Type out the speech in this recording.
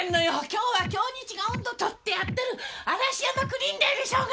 今日は京日が音頭取ってやってる嵐山クリーンデイでしょうが！